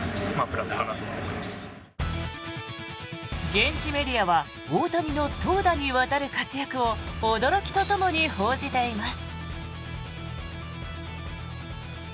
現地メディアは大谷の投打にわたる活躍を驚きとともに報じています。